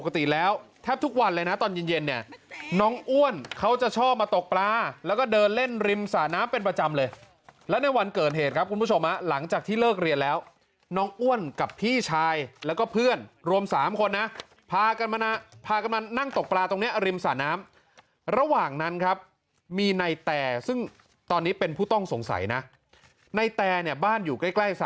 ปกติแล้วแทบทุกวันเลยนะตอนเย็นเนี่ยน้องอ้วนเขาจะชอบมาตกปลาแล้วก็เดินเล่นริมสระน้ำเป็นประจำเลยแล้วในวันเกิดเหตุครับคุณผู้ชมหลังจากที่เลิกเรียนแล้วน้องอ้วนกับพี่ชายแล้วก็เพื่อนรวม๓คนนะพากันมาพากันมานั่งตกปลาตรงเนี้ยริมสระน้ำระหว่างนั้นครับมีในแต่ซึ่งตอนนี้เป็นผู้ต้องสงสัยนะในแต่เนี่ยบ้านอยู่ใกล้ใกล้ส